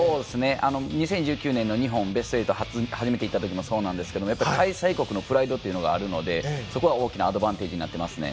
２０１９年の日本がベスト８に初めていったときもそうなんですけども、やっぱり開催国のプライドがあるのでそこは大きなアドバンテージになっていますね。